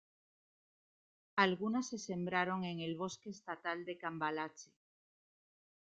Algunas se sembraron en el Bosque Estatal de Cambalache.